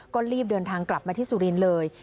ก็รีบเดินทางกลับมาที่สุรินทร์เลย